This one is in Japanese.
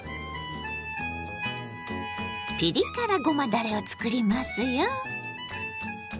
ピリ辛ごまだれを作りますよ。